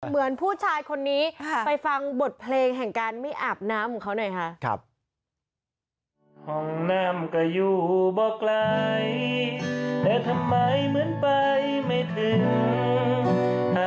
เหมือนผู้ชายคนนี้ไปฟังบทเพลงแห่งการไม่อาบน้ำของเขาหน่อยค่ะ